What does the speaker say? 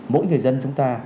mỗi người dân chúng ta